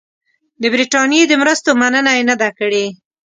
د برټانیې د مرستو مننه یې نه ده کړې.